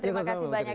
terima kasih banyak